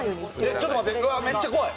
ちょっと待って、めっちゃ怖い。